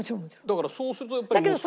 だからそうするとやっぱり。